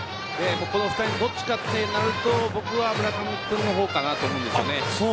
この２人のどっちかってなると僕は、村上君のほうかなと思うんですよね。